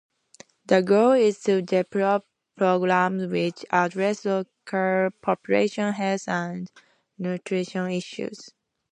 The goal is to develop programs which address local population health and nutrition issues.